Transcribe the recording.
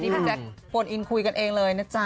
พี่แจ๊คโฟนอินคุยกันเองเลยนะจ๊ะ